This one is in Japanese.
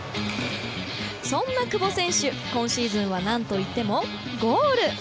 そんな久保選手、今シーズンは何といってもゴール。